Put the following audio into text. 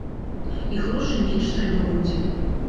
І грошай менш трэба будзе.